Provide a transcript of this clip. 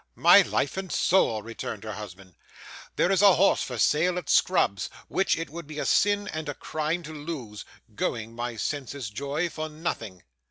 'My life and soul,' returned her husband, 'there is a horse for sale at Scrubbs's, which it would be a sin and a crime to lose going, my senses' joy, for nothing.